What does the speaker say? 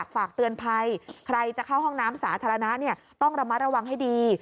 ฝากเตือนภัยใครจะเข้าห้องน้ำสาธารณะต้องระมัดระวังให้ดี